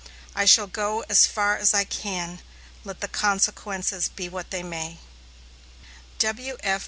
I shall go as far as I can, let the consequences be what they may." W.F.